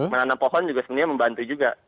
menanam pohon juga sebenarnya membantu juga